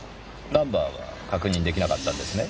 ナンバーは確認出来なかったんですね？